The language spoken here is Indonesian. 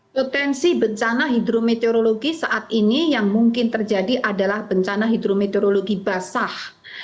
potensi bencana hidrometeorologi saat ini yang mungkin terjadi adalah bencana hidrometeorologi basah